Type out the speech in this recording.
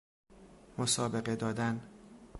مسابقه دادن